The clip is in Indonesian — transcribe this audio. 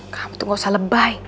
kamu tuh gak usah lebay